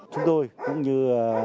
chúng tôi cũng như